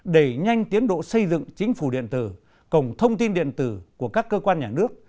đẩy nhanh tiến độ xây dựng chính phủ điện tử cổng thông tin điện tử của các cơ quan nhà nước